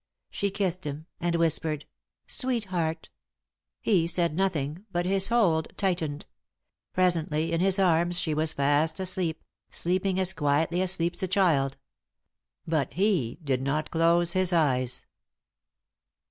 She kissed him, and whispered, " Sweetheart 1 " He said nothing, bat his hold tightened. Presently in his arms she was fast asleep, sleeping as quietly as sleeps a child. But he did not close his eyes.